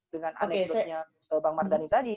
dengan anegdosisnya bang mardhani tadi